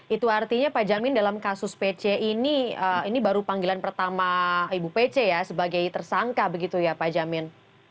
itu artinya pak jamin dalam kasus pc ini baru panggilan pertama ibu pc ya sebagai tersangka begitu ya pak jamin